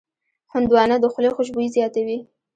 هندوانه د خولې خوشبويي زیاتوي.